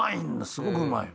すごくうまい！え！